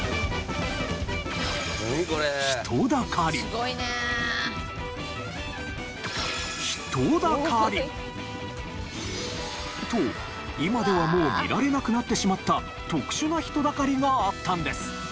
すごいね！と今ではもう見られなくなってしまった特殊な人だかりがあったんです。